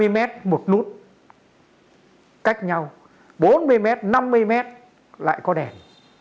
ba mươi mét một nút cách nhau bốn mươi mét năm mươi mét lại có đèn